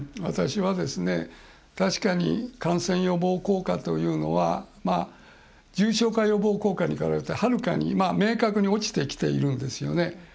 私は確かに感染予防効果というのは重症化予防効果に比べてはるかに、明確に落ちてきているんですよね。